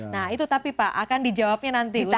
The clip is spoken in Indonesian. nah itu tapi pak akan dijawabnya nanti ustaz jeddah